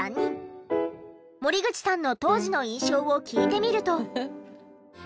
森口さんの当時の印象を聞いてみると。